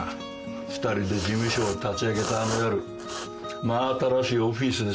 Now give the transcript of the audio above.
２人で事務所を立ち上げたあの夜真新しいオフィスでさ